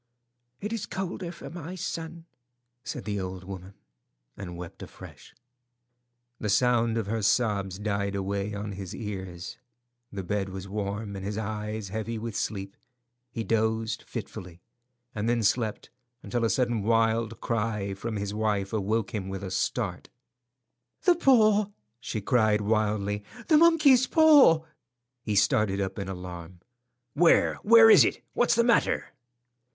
"It is colder for my son," said the old woman, and wept afresh. The sound of her sobs died away on his ears. The bed was warm, and his eyes heavy with sleep. He dozed fitfully, and then slept until a sudden wild cry from his wife awoke him with a start. "The paw!" she cried wildly. "The monkey's paw!" He started up in alarm. "Where? Where is it? What's the matter?"